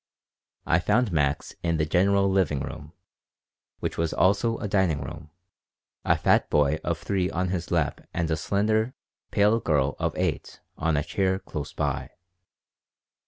I found Max in the general living room, which was also a dining room, a fat boy of three on his lap and a slender, pale girl of eight on a chair close by.